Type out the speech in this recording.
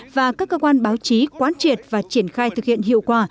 và các cơ quan báo chí quán triệt và triển khai thực hiện hiệu quả